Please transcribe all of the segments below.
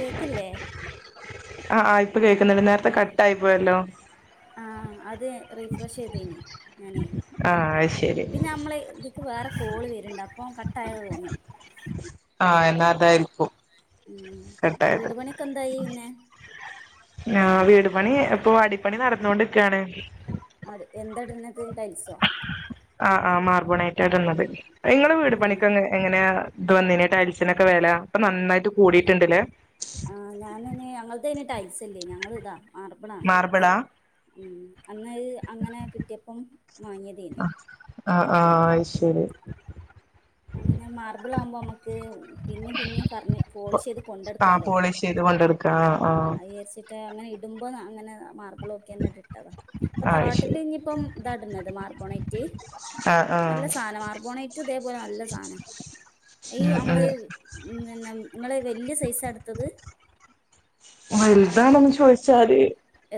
കേക്കില്ലേ ആഹ് ആഹ് ഇപ്പോ കേൾക്കുന്നുണ്ട് നേരത്തെ കട്ടായി പോയല്ലോ ആഹ് അത് റീഫ്രഷ് ചെയ്തേനി ഞാനേ ആഹ് അത് ശരി പിന്നെ നമ്മള് എനിക്ക് വേറെ കോള് വരുണുണ്ട് അ പ്പം കട്ട് ആയതാ തോന്നണണ്ട് ആഹ് എന്നാ അതായിരി ഉം വീട് പണിക്കെന്തായി പിന്നെ? ആഹ് വീട് പണി ഇപ്പൊ അടിപ്പണി നടന്നോണ്ട്ക്കാണ്. അവിടെ എന്താ ഇടണത് ടൈൽസോ ആഹ് ആഹ് മാ ർബോണൈറ്റ ട്ന്നത്. ഇങ്ങളെ വീട് ഉം പണിക്ക് എങ്ങനെ ഇത് വന്നി ടൈൽസിനൊക്കെ വെല ഇപ്പൊ നന്നായിട്ട് കൂടിട്ട്ണ്ട്ല്ലേ. ആ ഞാനയ്ന് അങ്ങൾതയ്ന് ടൈൽസ് അല്ലേ ഞങ്ങള് താ മാർബിളാ മാർബിളാ ഉം ഉം അന്നഅ് അങ്ങനെ കിട്ട്യപ്പം വാങ്ങ്യതേനി ആഹ് ആഹ് ആഹ് അഅ് ശെരി അങ്ങനെ മാർബിളാവുമ്പം അമ്മക്ക് പിന്നിം പിന്നിം ഫർണി പോളി ഷെയ്ത് ആഹ് കൊണ്ടട്ക്കാലോ. പോളിഷ് ചെയ്ത് കൊണ്ടെടുക്ക ആഹ് അഅ് യാര്ച്ചിട്ട അങ്ങനെ ഇ ടുമ്പ അങ്ങനെ ആഹ് മാർബിളൊക്കെ ർഞ്ഞിട്ട് ഇട്ടതാ ഇപ്പൊ ആഹ് ആഹ് അത് തറവാട്ടില് ശരി ഇഞ്പ്പം ഇതാട്ണത് മാർബോണൈറ്റ് ആഹ് ആഹ് നല്ല സാനാ മാർബോണൈറ്റും ഇതേപോലെ നല്ല സാനാ ഈ ഉം അമ്മള് പിന്ന ഇങ്ങള് വെല്യ സൈസാ ഇട്ത്തത്. വെൽതാണൊന്ന് ചോയ്ച്ചാല്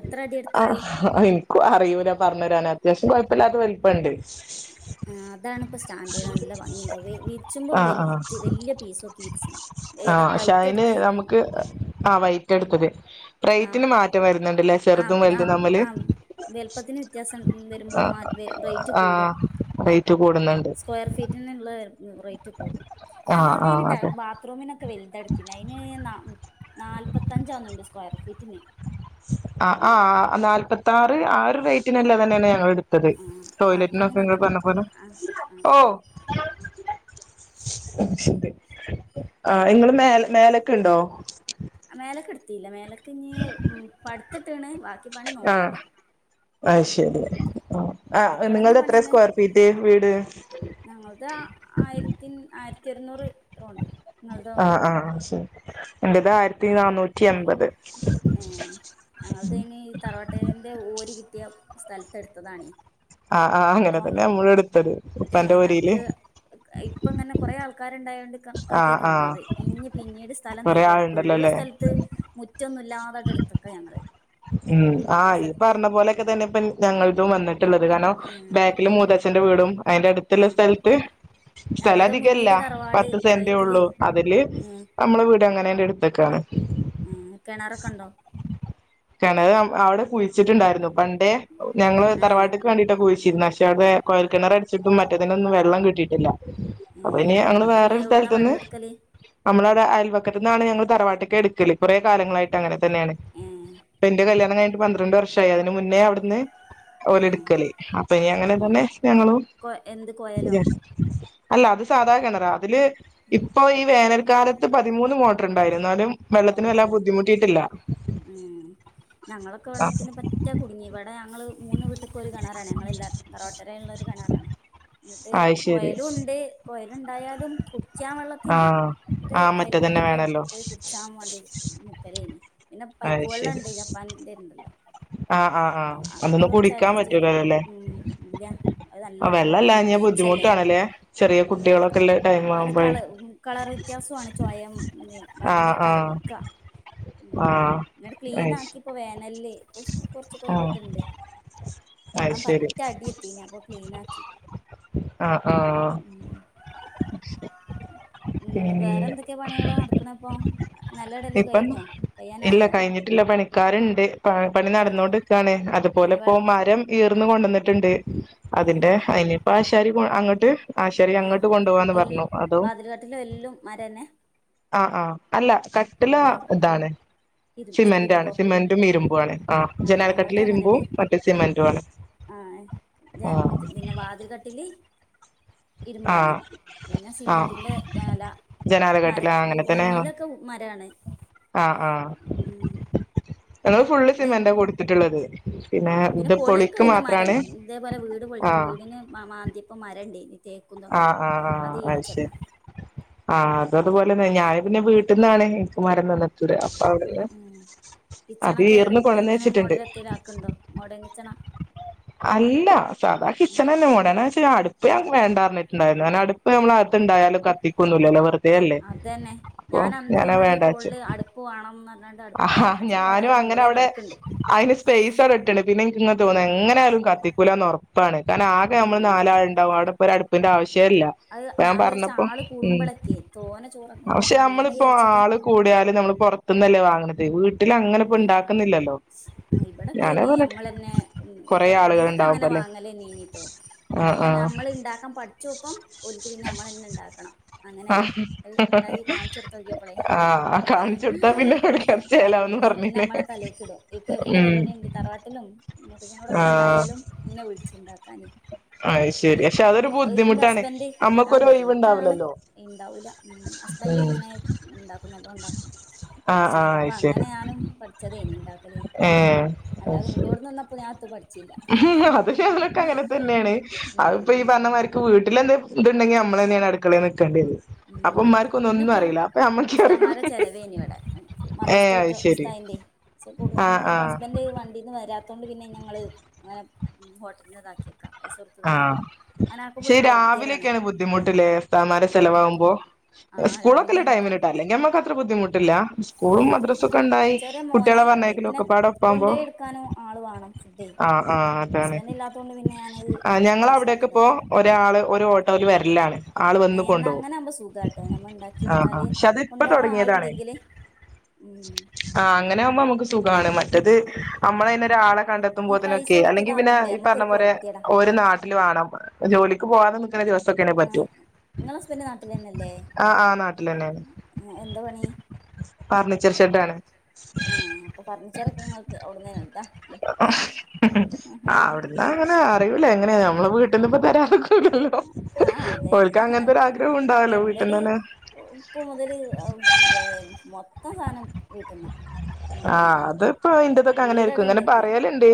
എത്ര അടി എടുത്തത് ആ, ആഹ് ഇൻക്കു അറിയൂല്ല പർഞ്ഞരാന് അത്യാവശ്യം കൊഴപ്പല്ലാത വ പണ്ട് ആഹ് അതാണിപ്പോ സ്റ്റാൻഡേ നല്ല ഭംഗിണ്ടാവേ വിരിച്ചുമ്പോ ആഹ് ആഹ് വല്ച്ച് വല്യ പീസോക്കി വിരിച്ചണം ഏത ആഹ് പക്ഷെ വൈറ്റ അയിന് എടുത്ത് നമുക്ക് ആഹ് വൈറ്റ് എടുത്തത് ആ റേറ്റിന് മാറ്റം വരുന്നുണ്ടല്ലേ ആ ചെറുതും ആ വലുതും നമ്മില് ആ വലുപ്പത്തിന് വ്യത്യാസം വരുമ്പോൾ ആഹ് ആഹ് റേറ്റ് ആഹ് ആഹ് കൂടും ആഹ് റേറ്റ് കൂടുന്നു സ്ക്വയർ ഫീറ്റിനിള്ള റേറ്റ് കുടും ആഹ് ഞങ്ങൾതേന് ആഹ് അതെ ടയറ് ബാത്റൂമിനൊക്കെ വലുത എടുത്തെ അയിന് നാ നാൽ മുപ്പത്തഞ്ചാണോ അയിന്റെ സ്ക്വയർ ഫീറ്റിന് ആഹ് ആഹ് ആഹ് നാല്പത്താറ് ആറ് റേറ്റിനല്ല താന്നെയാണ് ഞങ്ങൾ എടുത്തത് ആ ടോയ്ലറ്റിനൊക്കെ ബാത്റൂമിന് നിങ്ങൾ അങ്ങനെ പറഞ്ഞ പോലെ ആ ആ ഓ ആ നിങ്ങള് മേ മേലേക്ക് ഇണ്ടോ മേലെക്കെടുത്തില മേലെക്ക് ക്ക ഇനി പഠത്തിട്ടാണ് വാക് വീട് പണി ആഹ് നോക്കണം അത് ശരി ആ അടുക്കളേന്റെ നിങ്ങളുടെ പണി എത്ര തന്നെ സ്ക്വയർ ഫീറ്റ് വീട് ഞങ്ങത ആയിരത്തിൻ ആ ആയിരത്തി എരുന്നൂറ് ആ ആ ശരി എന്റത് ആയിരത്തി നാന്നൂറ്റി എൻപത് മ് ഞങ്ങക്ക് ഇനി തറവാട്ടേന്റെ ഓരി കി പുതിയ സ്ഥലത്തെടുത്തതാണേ ആ ആ അങ്ങനെ തന്നെയാ നമ്മളും എടുത്തത് ഏ ഉപ്പാന്റെ ഓരിയില് ഞങ്ങ്ക്ക് ഇപ്പ ഇങ്ങനെ കൊറെ ആൾക്കാരി കണക്കാക്കിയ ആഹ് ആഹ് തന്നത് ഇഞ്ഞ് പിന്നീട് സ്ഥലം കൊറേ തരോള്ള് അപ്പ ആളുണ്ടല്ലോ ള്ള അല്ലേ സ്ഥലത്ത് മുറ്റൊന്ന് ഇ അല്ലാതായിട്ട് എടുത്തിക്ക ഞങ്ങള് ഉം ആ ഇള്ള ഈ സ്ഥലത്ത് പറഞ്ഞ പോലൊക്കെ തന്നെ ഇപ്പം ഞങ്ങൾക്കും വന്ന് വന്നിട്ടുളളത് കാരണം ഏഹ് ബാക്കില് മൂത്തച്ഛന്റെ വീടും അതിന്റെ അടുത്തുള്ള ആഹ് സ്ഥലത്ത് സ്ഥലം ഞങ്ങൾടെ അധികല്ല മുന്നില് തറവാട് പത്ത് സെന്റേ ബേക്കില് ഉള്ളൂ അതില് ഏഹ് നമ്മടെ വീട് അങ്ങനേന്റെ എടുത്തേക്കാണ് ഏഹ് കെണറൊക്കെ ഇണ്ടോ കിണറ് അം അവിടെ കുഴിച്ചിട്ടുണ്ടായിരുന്നു പണ്ടേ ഞങ്ങള് ഏഹ് തറവാട്ടീക്ക് വേണ്ടീട്ടാ പൊയിശ് ഇന്ന് അശാതെ കൊഴൽ കിണർ അടിച്ചിട്ടും മറ്റേതിലൊന്നും വെള്ളം കിട്ടിയിട്ടില്ല അപ്പൊ ഏഹ് ഇനി ഞങ്ങള് അപ്പൊ ഇനി വേറൊരു എവിടുന്നാ സ്ഥലത്തുന്ന് വെള്ളം എടുക്കല് നമ്മള് അയൽവക്കത്ത് നിന്നാണ് ഞങ്ങൾ തറവാട്ടിക്ക് എടുക്കല് കുറെ കാലങ്ങളായിട്ടങ്ങനെ തന്നെയാണ് ഏഹ് എന്റെ കല്യാണം കഴിഞ്ഞിട്ട് പന്ത്രണ്ട് വർഷവായി അതിന് മുന്നേ അവിടുന്ന് ഓല ഏഹ് എടുക്കല് അപ്പൊ ഇനി എങ്ങനെയാ അങ് പോന്നെ ഞങ്ങളും കൊ എന്ത് കൊയലോ വിചാരിച്ച് അല്ല അത് സാധാകെണറ അതില് ഇപ്പൊ ഈ വേനൽക്കാലത്ത് പതിമൂന്ന് മോട്ടർണ്ടായിരുന്ന് ന്നാലും വെള്ളത്തിന് വല്ലാതെ ഓഹ് ബുദ്ധിമുട്ടിയിട്ടില്ല ഉം ഞങ്ങളൊക്കെ ആ വെള്ളത്തിന് പറ്റെ കുടുങ്ങി വടെ ഞങള് മൂന്ന് വീട്ടക്കും ഒരു കെണറാണ് ഞങ്ങളെല്ലാരും തറവാട്ടെരേള്ള ഒരു കെണറാണ് ഇന്ന്ട്ട് അത് ശരി കൊയലുണ്ട് കൊയൽ എന്തായാലും കു അ അ മറ്റേതന്നെ വേണല്ലോ കുട്ച്ചാമാണ്ടി മുക്കലേനി പിന്നെ പൈപ്പ് അത് ശരി വെള്ളണ്ട് ജപ്പാന്റെ ഇണ്ടല്ലോ ആഹ് ആഹ് ആഹ് അതൊക്കെ അതൊന്നും കൊർച്ച് കുടിക്കാൻ ആഡ്ജ്സ്റ്റെയ്ത് പറ്റൂലല്ലോ ല്ലേ മ്മ് ഇല്ല അത് നല്ല ആഹ് കൊ വെള്ളല്ലാഞ്ഞാ ബ്ലീച്ചല്ലേ ബുദ്ധിമുട്ടാണല്ലേ ചെറിയ മ്മ് കുട്ടികളൊക്കെള്ള ടൈം അത് ആവുമ്പഴേ കള കളർ വ്യത്യാസുആണ് ചോയം ആഹ് ഭയങ്കര കലക്ക മ്മ് ആഹ് ഇന്നട്ട് ആഹ് ക്ലീൻ അത് ശ ആക്കി ഇപ്പം വേനല് ഇപ്പൊ കൊറച്ചക്കര് ആഹ് ത്ണ്ട് അത് വെള്ളം ശരി പറ്റ അടി എത്തീനി അപ്പം ക്ലീൻ ആക്കി ആഹ് ആഹ് മ്മ് ങ്ങൾ പിന്നെ വേറെന്തൊക്കെ പണികളാ നടക്ക്ണപ്പം ഇപ്പം ഇല്ല കയിഞ്ഞിട്ടില്ല പണിക്കാര്ണ്ട് പണി വെ നടന്നൊണ്ട്ക്കാണ് അത്പോലെ വെ ഇപ്പോ മരം യീർന്ന് കൊണ്ടോന്ന്ട്ട്ണ്ട് അതിന്റെ അയ്ന് ഇപ്പാ ആ ശ് കേറിക്കുണോ അങ്ങട്ട് ആശാരി ആ അങ്ങട്ട് കൊണ്ടുപോവാന്ന് എൽ പറഞ്ഞു അതും വാതിൽകട്ടിലും എല്ലും മരന്നെ ആ ആ അല്ല കട്ടില ആ ഇതാണ് ഇരു സിമെന്റാണ് ഇരുമ്പോ സിമെന്റും ഇരും വാണ് ആ ഞങ്ങളതും ജനാലക്കട്ടില ഇരുമ്പും അങ്ങനെന്നെ മറ്റേ സിമെന്റു ആണ് ആ ജ ആഹ് മറ്റേ പിന്നെ വാതിൽ കട്ടില് ഇരുമ്പാണ് ആഹ് പിന്നെ ആഹ് സിമെന്റിന്റെ ജനല മര ജനാലക്കട്ടില് ആഹ് അങ്ങനെ തന്നെ മുന്നിലൊക്കെ മരാണ് മ്മ് ഞങള് ഫുള്ള് സിമെന്റാ കൊടുത്തിട്ടുള്ളത് മ്മ് പിന്നെ ഇത് പൊളിയൊക്കെ പൊളിക്ക് പിന്നെ മരം മാത്രാണ് തേപോലെ വീട് പൊൾ വീടിന് മാന്തിയപ്പം മരം ഇണ്ടേയിനി അ അ അ അഹ് ശരി അ ഇതതുപോലെന്നെ ഞാന് പിന്നെ വീട് ട്ട്ന്നാണ് ഇൻക്ക് മരം തന്ന്ട്ട്ണ്ട് സൗണ്ടില്ല ഉം അത് കിച്ചണൊക്കെ ഈർന്നു എങ്ങനെ കൊട്ന്വച്ചിട്ടുണ്ട് മോഡലെത്തിലാക്കുണ്ടോ മോഡേൺ കിച്ചണാ അല്ല സാധാ കിച്ചനെന്നെ മോടേനെചടുപ് പ്യാർ വേണ്ടാ ഞട്ട്ണ്ടായിരുന്നു കാരണടുപ്പ് നമ്മള് അകത്തുണ്ടായാലും കത്തിക്കൊന്നുല്ലല്ലോ വെറ് അതന്നെ ഞാന അന്ന് വല്യ വേണ്ടാച്ചു കോള്ല് അടുപ്പ് വാണം ആഹാ ഞാനും അങ്ങനെ അവിടെ അയിന് സ്പൈസവടെട്ട്ണ് പിന്നെ ൻക്ക് ങ്ങ തോന്ന എങ്ങനെയാലും കത്തിക്കൂലാന്നൊറപ്പാണ് കാരണം ആകെമ്മള് ഉം നാലാള്ണ്ടാവും അവിടെപ്പൊരട്പ്പ് ന്റെആവിശ്യ വിശ്യല്ല അത് ഞാൻ വിചാരിച്ച ഞാപറഞ്ഞപ്പോ ആള് ഉം കൂടുമ്പളൊക്കെ തോനെ ക്ഷെ ചോറാക്കുമ്പളൊക്കെ അങ്ങനെ നമ്മളിപ്പോ വിചാരിച്ചിട്ട് ആള് കൂടിയാല് നമ്മള്പൊറത്ത് ന്നല്ലേ വാ ണത് വീട്ട് ആ അ ഞാനത് ഇവിടെക്കയ്ന് പറഞ്ഞിട്ട് ഞമ്മളെന്നെ ഉം കൊറേ കൊറ ആളുകൾ പണ്ടൊക്കെങ്ങനെ ഇണ്ടാവുമ്പല്ലേ വാങ്ങലെന്നയ്നീട്ടോ ആഹ് ഇപ്പൊ ആഹ് ഞമ്മള് ണ്ടാക്കാൻ പഠിച്ചപ്പം ഓൽക്ക് പിന്നെ നമ്മളന്നെണ്ടാക്കണം ആ നോക്കിയപ്പളേ ആ കാണിച്ചൊടുത്താ പിന്നെള പൈസലവാന്ന് പറഞ്ഞ് പിന്നെമ്മളെ തലേക്ക്ടും ഇപ്പൊ എവിടെ വരേണെങ്കി തറവാട്ടിലും ആഹ് മുത്തച്ഛനോടൊക്കെണ്ടായാലും ഇന്നെ വിളിച്ചുണ്ടാക്കാനൈ അത് ശരി പക്ഷെ അതൊരു അഇൻ്റെ ബുദ്ധിമുട്ടാണ് ഹസ്ബൻഡ് ആ നമ്മക്കൊരു മുധ്യമ്ട്ടാണ് ഒഴിവുണ്ടാവില്ലല്ലോ ഇണ്ടാവൂല മ് ഉം ഹസ്ബൻഡ്ങ്ങനെ ണ്ടാക്കും നല്ലോണ്ടാക്കും ആഹ് ഭക്ഷണൊക്കെ ആഹ് അത് ശരി അപ്പങ്ങനെ ഞാനും പഠിച്ചതൈനി ണ്ടാക്കലൈ അല്ലാതെ ഇൻഡോട്ന് ന്നിന്നപ്പൊഞാത്തുപടി ഉ അത് ശെലോരക്കങ്ങനെതന്നേണ് അഹ്പ്പൊ ഉം ഈ പറഞ്ഞമാരിക്ക് വീട്ട് വീട്ടിലെന്ത് ത്ണ്ടെങ്കിൽ നമ്മളെന്നേണ് അടുക്കളെ നിക്ക ഉം ഇന്നിപ്പം അപ്പൊ നമ്മക്കെ അറിയുള്ളൂ ഉസ്താമാരെ ചെലവേന്വ്ടെ ഏഹ് മദ്രസ്തെ അത് കുട്ടൃള ശരി ഉസ്തായിൻ്റസപ്പോട് ആൻ ആഹ് ഇൻ ആഹ് ഹസ്ബൻഡ് വണ്ടീന്ന് വരാ ത്തോണ്ട് പിന്നെ ഞങ്ങള് അങ്ങനെ മ് ഹോട്ടൽന് താക്കി ആ ക്ഷെ ഒരു പൊറുതിയേടാണ് രാവിലെക്കേണ് ബുദ്ധിമുട്ട്ലേസ്താമാര ഉം ചലവാവും മ്പോ ആ സ്കൂളൊക്കെല്ല രാവിലെയാണ് ടൈമിനിട്ടാ അല്ലെങ്കിമ്മക്കത്ര ബുദ്ധിമുട്ടില്ല സ്കൂളും ബുദ്ധിമുട്ട് മദ്രസൊക്കെണ്ടായി ചെറിയ കുട്ടൃളെ മോനായോണ്ടേ പിന്നെ പറഞ്ഞേക്കലൊക്കപ്പാടെ പ്പാവുമ്പൊ കൊണ്ടോയി എടുക്കാനും ആള് വേണം ഫുഡേ ആ ആ അതാണ് ഹസ്ബൻഡ് ഇല്ലാത്തോണ്ട് പിന്നെ ഞാനത് ആ ഇങ്ങനെ പൈസ ഞങ്ങളവിടേക്കപോ കൊടുത്തിതാക്കി ഒരാള് ഒരു ഓട്ടോല് വരലാ ല്ലാണ് ആൾ വന്ന് എന്നാ കൊണ്ടോകും അങ്ങനെ ആകുമ്പോ സുഖാട്ടോ നമ്മൾ ആ ആ ഉണ്ടാക്കിയെടുത്താല് ക്ഷെ കൊണ്ടോവാൻ തിപ്പതൊടങ്ങിയതാണ് ആളുണ്ടെങ്കില് ഉം ആ അങ്ങനാവുമ്പോ നമുക്ക് സ് തുഖാണ് മറ്റത് അ മ്മളൈനൊരാളെ ഈ പൈസ കണ്ടെത്തുമ്പോതിനൊക്കെ കൊടുത്ത് അല്ലെങ്കി പിന്നെ ഇതാക്കുമ്പോളേ ഇപ്പർഞ്ഞെ നമ്മുക്കൊരു പോലെ പൊറുതിയെടാ ഒരൊ നാട്ടില് വാണം ജോലിക്ക് പോകാതെ നി ഒക്കെ ദിവസെക്കെണ് ആഹ് പറ്റും നിങ്ങളെ ഹസ്ബൻഡ് നാട്ടിൽ തന്നെയല്ലേ ആ ആ നാട്ടിലന്നേണ് എന്താ പണി കാറില് തീർച്ചയായിട്ടും ആണ് ഉം അപ്പൊ ഫർണിച്ചറൊക്കെ നിങ്ങക്ക് അവിടന്നന്നെ എടുക്കാ അവിത്തെ അങ്ങനെ അറിയൂല ആഹ് എങ്ങനെയാന്ന് നമ്മള് വീട്ടിനിപ്പോ തരാതിരിക്കില്ലല്ലോ ആഹ് അതെ ഓൽക്ക് അങ്ങനത്തൊരാഗ്രഹം ഉണ്ടാവല്ലോ ഇന്റത് വീട്ടിൽന്ന് തന്നെ ഇപ്പ മുതല് മൊത്തം സാധനം വീട്ട്ന്നാ ഇന്റോട്ന്നാ ആഹ് അത് ഇപ്പോ ഇന്റതൊക്കെ അങ്ങനേരി വീടടെ ഇങ്ങനെ ഇണ്ടാക്കി പറയല്ണ്ട്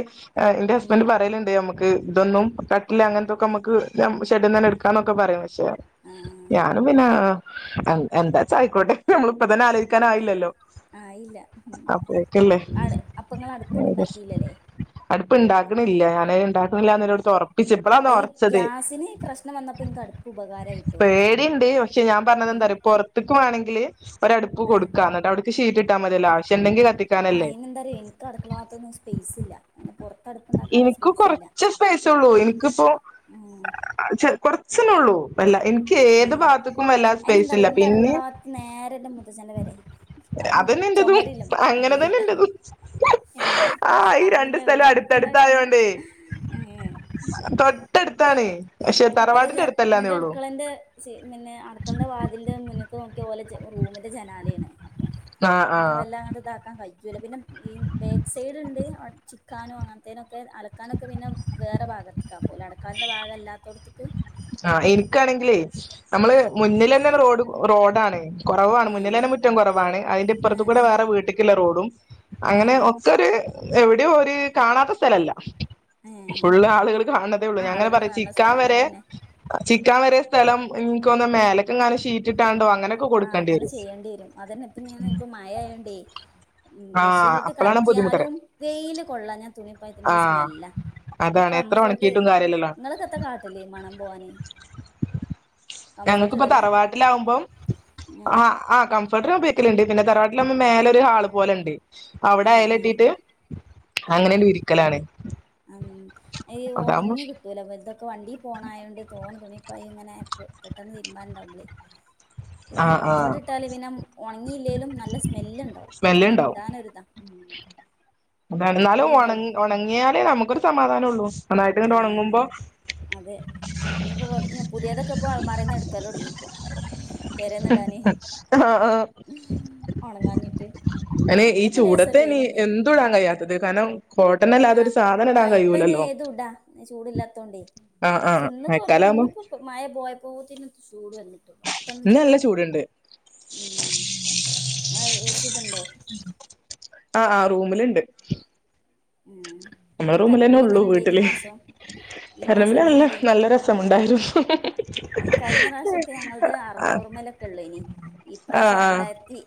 എന്റെ ഉം ഹസ്ബന്റ് പറയലുണ്ട് നമു ക്ക് ഇതൊന്നും കട്ടില് അങ്ങനത്തൊക്കെ നമുക്ക് ഷെഡിന്ന് തന്നെ എടുക്കാന്നൊക്കെ പറയും പക്ഷേ ആഹ് ഞാനും പിന്നെ എ എന്താച്ച ആയിക്കോട്ടെ നമ്മള് ഇപ്പ തന്നെ ആലോജിക്കാനായില്ലല്ലോ ആഹ് ഇല്ല ആണ് അപ്പങ്ങളടു ഇപ്പൊന്നും ഉണ്ടാക്കില്ലല്ലേ അടുപ്പ് ഉണ്ടാക്കണില്ല ഞന് ഉം ഉണ്ടാക്കുന്നില്ലന്നുള്ളടുത്ത് ഉറപ്പിച്ച് ഇപ്പളാന്ന് ഈ ഉറച്ചത് ഗ്യാസിന് പ്രശ്നം വന്നപ്പോ ഇൻക്ക് അടുപ്പ് ഉപകാരായിട്ടോ പേടി ഇണ്ട് പക്ഷെ ഞാൻ പറഞ്ഞത് എന്താറിയോ പൊറ്ത്ക്ക് വേണെങ്കില് ഒരടുപ്പ് ആഹ് കൊടുക്കാ എന്നിട്ട് അവിടേക്ക് ഷീറ്റ് ഇട്ടാ മതിയല്ലോ ആവശ്യണ്ടെങ്കി കത്തിക്കാനല്ലേ ഇതിനകത്തൊന്നും സ്പെയ്സ് ഇല്ല അങ്ങനെ- പൊറത്ത് അടുപ്പ് ഇണ്ടാക്കാള്ള എനിക്ക് സ്പേസ് ഇല്ല കൊറച്ച് സ്പെയ്സേ ഉള്ളു എനിക്കിപ്പോ ഉം കെറച്ച് കൊറച്ചെന്നേ ഒള്ളൂ അല്ല എനിക്ക് ഏത് ഉം ഭാഗത്തേക്കും വല്ലാതെ സ്പേസ് അയിനെന്താറിയോ ഇല്ല ഇന്റെ പിന്നെ അടുക്കള ഭാഗത്ത് നേരെ ഇന്റെ മൂത്തച്ഛന്റെ പെരേ അപ്പം അതന്നെ എൻ്റതും ചൊമരില്ല അങ്ങനെ തന്നെ മൊതലില്ല എൻ്റതും ഏഹ് ആ ഈ അപ്പൊ രണ്ട് പിന്നെ സ്ഥലം എവ്ടെ അടു അടുപ്പുണ്ടാക്കാനാ അടുത്തായോണ്ടേ ഏഹ് തൊട്ടടുത്താണ് പക്ഷെ തറവാടിന്റെ അടുത്തല്ല നിന്റെ അടുക്കളന്റെ പിന്നെ അടുക്കളന്റെ വാതിലിന്റെ മുന്നിക്ക് ഇത് പോലെ റൂമിന്റെ ജനാലയാണ് അപ്പ ആഹ് അങ്ങനെ ആഹ് വല്ലാണ്ടങ്ങ് ഇതാക്കാൻ കഴിയും പിന്നെ ഈ ബേക്ക് സൈഡ് ഉണ്ട് ചിക്കാനോ അങ്ങനത്തേനു ഒക്കെ അലക്കാനൊക്കെ പിന്നെ വേറെ ഭാഗത്തേക്കാക്കൂലെ അ അടുക്കളെന്റെ ഭാകം ആല്ലാത്തെ ആഹ ഇ- ഇക്കാണങ്കിലേ നമ്മള് മുന്നിൽ ലെന്നെ റോഡ് റോഡാണ് കൊറവാണ് ഏഹ് മുന്നിലെന്നെ മുറ്റം കൊറവാണ് അതിന്റെ ഇപ്പറത്തു ഏഹ് കൂടെ ഏഹ് വേറെ വീട്ട്ക്ക്‌ള്ള റോഡും അങ്ങനെ ഏഹ് ഒക്കൊര് എവിടെ ഒരു കാണാത്ത സ്ഥലല്ല ഏഹ് ഫുള്ളാളുകൾ കാണ് ണതേള്ളൂ ഞാങ്ങനെ പറയും ചിക്കാൻ വെ അതെന്നെ ചിക്കാൻ വെരെ സ്ഥലം ഇൻകോന്നെ മേലെ ആ അങ്ങനെ ചെയ്യണ്ടി വെരും അതെന്നെ ഇപ്പ ഞാൻ ഇപ്പ മഴ ആയോണ്ടേ ആഹ് മെഷീനിട്ട് അപ്പളാണ് ബുദ്ധിമുട്ടറ് കറക്കിയാലും വെയില് കൊള്ളാഞ്ഞാ തുണിപ്പയത്തിന ഒരു ആഹ് സ്മെല്ലാ അതാണ് എത്ര കംഫേർട്ട് ഒണക്കിയിട്ടും കാര്യല്ലല്ലോ നിങ്ങക്കത്ത കാട്ടല് മണം പോവാന് കംഫേർട്ട് ഇടലേ ലാകുമ്പം ആഹ്‌ കം കംഫർട്ടർ ഉയോഗിക്കല്ണ്ട് പിന്നേ തറവാട്ടിൽ ആകുമ്പോൾ മേലെ ഒരു ഹാളും പോലെണ്ട് ആ ആഹ്‌ അങ്ങനെണ്ട് വിരിക്കലാണ് ആഹ്‌ അമ് അതാവുമ്പോ ഉണങ്ങി കിട്ടൂല അ ഇതൊക്കെ വണ്ടി പോണയതോണ്ട് തോന്ന തുണിപ്പ ഇങ്ങനെ പെട്ടെന്ന് തീരുമാനംണ്ടാവുംളി ആ പിന്നെ ആ കംഫേർട്ട് ഇട്ടാല് പിന്നെ ഉണങ്ങില്ലേലും നല്ല സ്മെല് ഉണ്ടാവും അപ്പൊ സ്മെല്ല് പിന്നെ ഉണ്ടാവും ഇടാനോരിത എന്നാലും ബെഡ് ഉണങ്ങ് ഉണങ്ങിയാലേ നമുക്കൊ സമാധാനം ഉള്ളൂ നന്നായിട്ട് ഇങ്ങട്ട് ഉണങ്ങുമ്പോ അതെ ഇനിയിപ്പോൊ കൊറേ പുതിയതൊക്കെ ഇപ്പ അലമാരെ എടുക്കാന് തുടുങ്ങിയിപ്പോ ആഹ് ആഹ്‌ ഒണങ്ങാഞ്ഞിട്ട് അയിന് ഈ ഇന്നിപ്പോ ലേസൊരു ചൂടത്തയിൻ വെയിലുണ്ടേന് എന്തുയിടാൻ കഴിയാത്തത് കാരണം കോട്ട് ആഹ് ആഹ് ഇപ്പ ഇനി ഏതും ഇടാ ചൂടല്ലാത്തോണ്ടേ ആ ആ പക്ഷെ ഇന്ന് കൊറേ മഴക്കാലാവുമ്പോ ഇന്നപ്പോ മയ പോയപോതേനു ചൂട് വന്നു പെട്ടന്ന് ഇന്ന് നല്ല ചൂടായി ചൂടുണ്ട് ഉമ്മ് ആഹ്‌ എ സി ടണ്ട് ആഹ് ആഹ് റൂമിലുണ്ട് ഉം നമ്മെ അപ്പൊ കറന്റ് റൂമിലന്നെ ബില്ല് ഉള്ളു എങ്ങനെ ഇണ്ടേനി ഈ വീട്ടില് മാസം ഈ കറന്റ് മാസം ബില്ല് എങ്ങനെ നല്ല ഇണ്ടേനി നല്ല രസമുണ്ടായിരുന്നു കഴിഞ്ഞ പ്രാവശ്യമൊക്കെ ഞങ്ങളത് ആ അറുന്നൂറുമേലൊക്കെ ഉള്ളേനി ആഹ് ഇപ്രാവശ്യം ആഹ്‌ രണ്ടായിരത്തി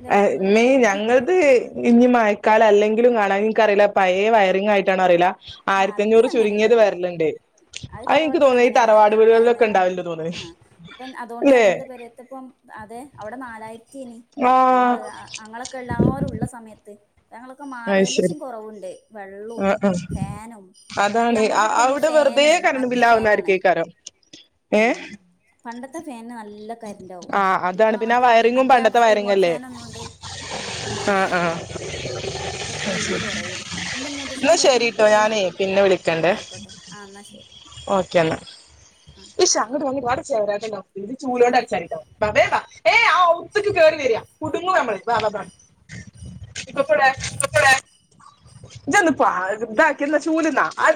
ന്റെ മോളിലുണ്ട് ആമ്മേ ഞങ്ങളത് [unintelligible] കാലാല്ലെങ്കിലും കാണും നിക്ക് അറിയില്ലപ്പ ഏഹ് വയറിംഗ് ആയിട്ടാണ് അറിയില്ല ആ ആയിരത്തി അത് അഞ്ഞൂറ് അങ്ങനെട്ടോ ചുരുങ്ങിയത് വരലുണ്ട് അത് എനിക്ക് തറവാട്ടില്ല തോന്നുന്നു ഈ അങ്ങനെ തറവാട് ഞങ്ങളായന്ന് വീടുകളിലൊക്കെ ഉണ്ടാവല്ണ്ട് തോന്ന്ണ് ആ ഇപ്പം അതുകൊണ്ട് അല്ലേ ഞങ്ങളുടെ പേരത്തപ്പം അതെ അവിടെ നാലായിരത്തി ആഹ് ഞങ്ങള് ഞങ്ങളൊക്കെ എല്ലാരുംള്ള സമയത്ത് ഞങ്ങളൊക്കെ അത് മാറിയെന്റെ ശരി ശേഷം കുറവുണ്ട് വെള്ളം ആഹ് ആഹ് ഫാനും അതാണ് നമ്മളതൊക്കെ ഇ അവിടെ വെറുതെ ഫാനേ കറണ്ട് മറ്റേ ഫാനാണ് ബില്ലാവുന്നായിരിക്കേക്കാരം ഏഹ് പണ്ടത്തെ ഫാന് നല്ല ഇണ്ടാവും ആഹ് ഇപ്പൊ അതാണ് പിന്നെ ആ മറ്റേ വയറിങ്ങും മറ്റേ പണ്ടത്തെ റിമോട്ട് വയറിങ്ങല്ലേ ഫാൻ ഒന്നുംണ്ട് ആഹ് ആഹ് ബില്ല് കുറയും എഹ് എന്നാ മുത്തച്ചന്റെ പെൻ ശരിട്ടോ പിന്നെ വിളിക്കണ്ടേ എന്നാ ഓക്കേ എന്നാ ഇത് ചൂലോണ്ട് അടിച്ചുവാരിട്ടൊ ബാ ഏ ആ ത്തക്ക് കേയറി വരിയാ കുടുങ്ങു നമ്മള ഇപ്പപ്പാ എവിടെ ശരി ഇജ്ജോന്ന് [unintelligible] ചൂല് ന്നാ